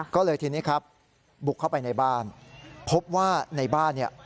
ก็เลยทีนี้ครับบุกเข้าไปในบ้านพบว่าในบ้านเนี่ย